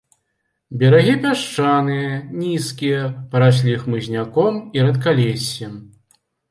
Берагі пясчаныя, нізкія, параслі хмызняком і рэдкалессем.